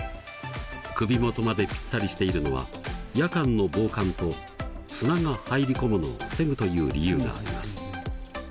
首元までぴったりしているのは夜間の防寒と砂が入り込むのを防ぐという理由があります。